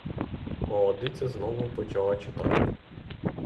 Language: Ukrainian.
Молодиця знову почала читати.